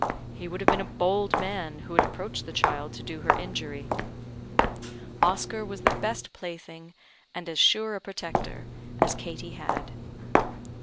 He would have been a bold man who had approached the child to do her injury. Oscar was the best plaything, and as sure a protector, as Katie had.